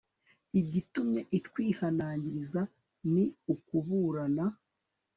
igitumye utwihanangiriza ni ukuburana